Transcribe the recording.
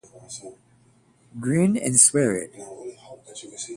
Grin and swear it.